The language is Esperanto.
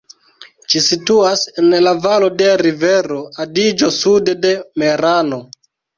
Ĝi situas en la valo de rivero Adiĝo sude de Merano.